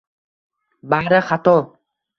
bari xato.